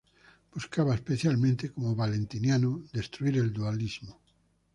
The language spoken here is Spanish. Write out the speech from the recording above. Buscaba especialmente, como Valentiniano, destruir el dualismo.